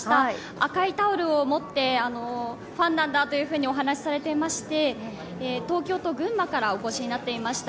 赤いタオルを持ってファンなんだというふうにお話しされていまして東京と群馬からお越しになっていました。